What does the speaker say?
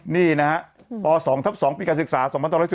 นี่นะฮะป๒ทับ๒ปีการศึกษา๒๑๗